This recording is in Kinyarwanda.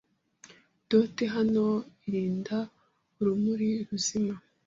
Doti hano irinda urumuri ruzima